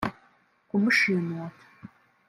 kumushimuta